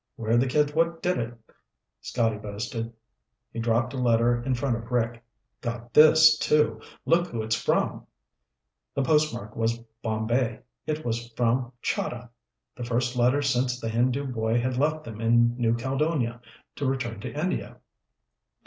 "We're the kids what did it," Scotty boasted. He dropped a letter in front of Rick. "Got this, too. Look who it's from." The postmark was Bombay. It was from Chahda, the first letter since the Hindu boy had left them in New Caledonia to return to India.